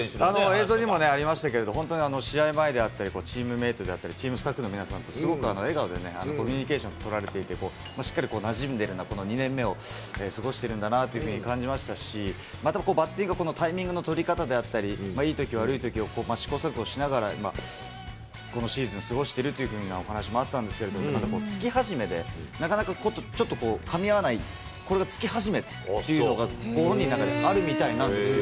映像にもありましたけど、本当に試合前であったり、チームメートだったり、チームスタッフの皆さんとすごく笑顔でコミュニケーション取られていて、しっかりなじんでるな、この２年目を過ごしてるんだなっていうふうに感じましたし、またこのバッティングのタイミングの取り方だったり、いいとき悪いときを試行錯誤しながら、このシーズン過ごしてるというふうなお話はあったんですけれども、また月初めでなかなかちょっとこう、かみ合わない、これが月初めっていうのが、ご本人の中にあるみたいなんですよ。